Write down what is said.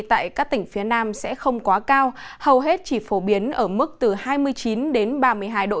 tại các tỉnh phía nam sẽ không quá cao hầu hết chỉ phổ biến ở mức từ hai mươi chín đến ba mươi hai độ